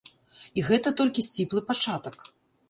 І гэта толькі сціплы пачатак.